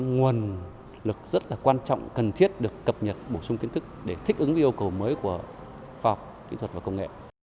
nguồn lực rất là quan trọng cần thiết được cập nhật bổ sung kiến thức để thích ứng với yêu cầu mới của khoa học kỹ thuật và công nghệ